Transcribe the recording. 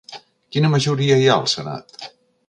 Quina majoria hi ha al senat?